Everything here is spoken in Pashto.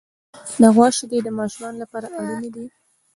د غوا شیدې د ماشومانو لپاره اړینې دي.